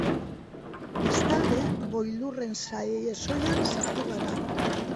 Bestalde, boilurren sasoian sartu gara.